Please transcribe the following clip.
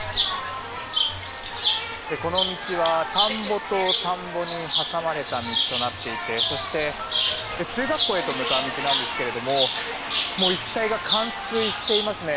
この道は田んぼと田んぼに挟まれた道となっていてそして、中学校へと向かう道なんですけどももう一帯が冠水していますね。